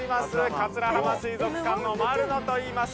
桂浜水族館の丸野といいます